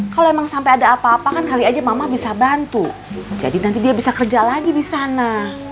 kalau emang sampai ada apa apa kan kali aja mama bisa bantu jadi nanti dia bisa kerja lagi di sana